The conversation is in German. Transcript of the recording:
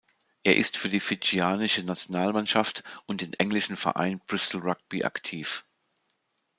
Er ist für die fidschianische Nationalmannschaft und den englischen Verein Bristol Rugby aktiv.